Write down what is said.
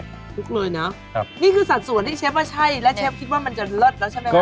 คุกเลยนะครับนี่คือสัดส่วนที่เชฟว่าใช่และเชฟคิดว่ามันจะเลิศแล้วใช่ไหมวะ